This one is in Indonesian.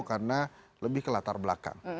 karena lebih ke latar belakang